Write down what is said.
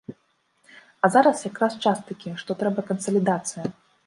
А зараз якраз час такі, што трэба кансалідацыя.